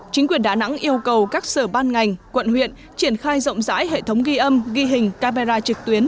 chính quyền đà nẵng yêu cầu các sở ban ngành quận huyện triển khai rộng rãi hệ thống ghi âm ghi hình camera trực tuyến